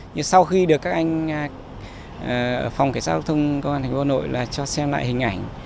nhưng sau khi được các anh ở phòng cảnh sát công an thành phố hà nội là cho xem lại hình ảnh